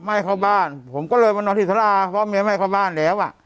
ไม่เข้าบ้านผมก็เลยมานอนที่สาราเพราะเมียไม่เข้าบ้านแล้วอ่ะ